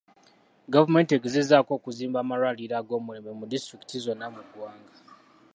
Gavumenti egezezzaako okuzimba amalwaliro ag'omulembe mu disitulikiti zonna mu ggwanga.